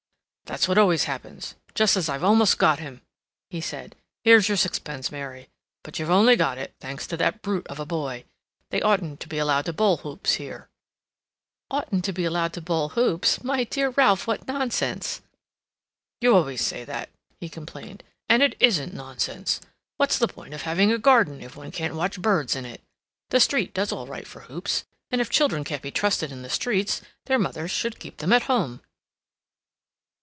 "That's what always happens—just as I've almost got him," he said. "Here's your sixpence, Mary. But you've only got it thanks to that brute of a boy. They oughtn't to be allowed to bowl hoops here—" "Oughtn't to be allowed to bowl hoops! My dear Ralph, what nonsense!" "You always say that," he complained; "and it isn't nonsense. What's the point of having a garden if one can't watch birds in it? The street does all right for hoops. And if children can't be trusted in the streets, their mothers should keep them at home."